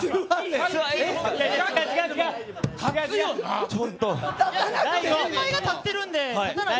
先輩が立ってるんで。